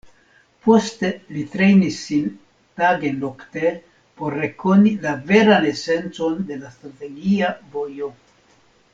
Poste li trejnis sin tage-nokte por rekoni la veran esencon de la Strategia Vojo.